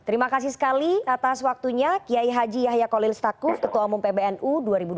terima kasih sekali atas waktunya kiai haji yahya kolil stakuf ketua umum pbnu dua ribu dua puluh satu dua ribu dua puluh enam